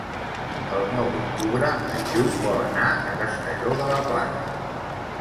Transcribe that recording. El nou d'octubre en Lluc vol anar a Castelló de la Plana.